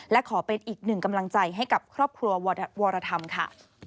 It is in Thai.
และขอเป็นอีกหนึ่งกำลังใจให้กับครอบครัววรธรรมค่ะ